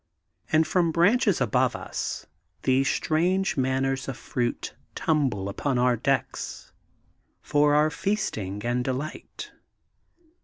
And from branches above us these strange manners of fruits tumble upon our decks for our feasting and delight.